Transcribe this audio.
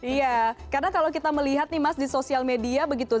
iya karena kalau kita melihat nih mas di sosial media begitu